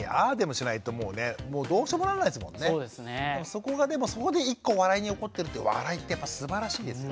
そこがでもそこで１個笑いに起こってるって笑いってやっぱすばらしいですよ。